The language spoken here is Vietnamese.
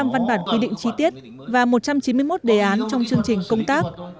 một mươi văn bản quy định chi tiết và một trăm chín mươi một đề án trong chương trình công tác